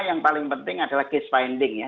yang paling penting adalah case finding ya